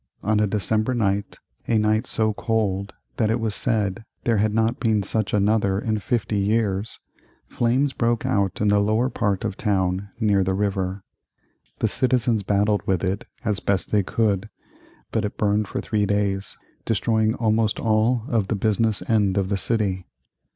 On a December night, a night so cold that it was said there had not been such another in fifty years, flames broke out in the lower part of town near the river. The citizens battled with it as best they could, but it burned for three days, destroying almost all of the business end of the city.